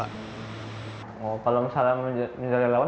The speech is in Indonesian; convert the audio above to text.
kalau misalnya menjadi relawan